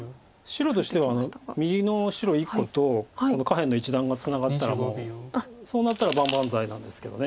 白としては右の白１個とこの下辺の一団がツナがったらもうそうなったら万々歳なんですけど。